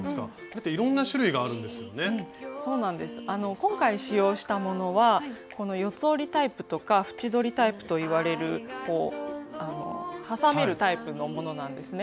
今回使用したものはこの四つ折りタイプとか縁取りタイプといわれるこう挟めるタイプのものなんですね。